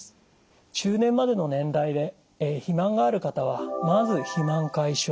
中年までの年代で肥満がある方はまず肥満解消